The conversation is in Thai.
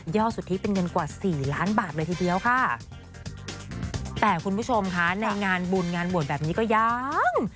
สุทธิเป็นเงินกว่าสี่ล้านบาทเลยทีเดียวค่ะแต่คุณผู้ชมค่ะในงานบุญงานบวชแบบนี้ก็ยัง